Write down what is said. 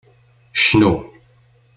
Cnu!